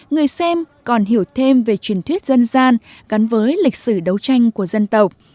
người xem còn hiểu thêm về truyền thuyết dân gian gắn với lịch sử đấu tranh của dân tộc